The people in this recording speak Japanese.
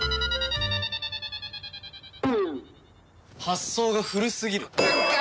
発想が古すぎる。